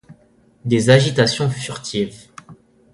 Des agitations furtives